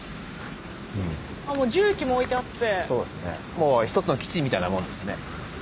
もう一つの基地みたいなもんですね。